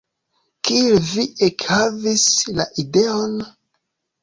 Kiel vi ekhavis la ideon?